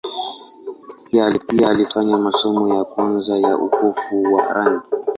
Pia alifanya masomo ya kwanza ya upofu wa rangi.